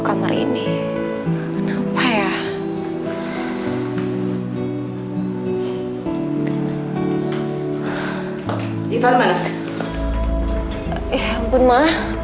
ya ampun ma